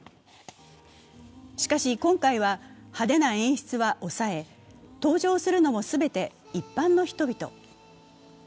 しかし、今回は派手な演出は抑え、登場するのも全て一般の人々。